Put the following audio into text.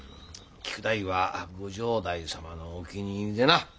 菊太夫は御城代様のお気に入りでな。